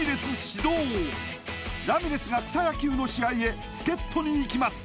始動ラミレスが草野球の試合へ助っ人に行きます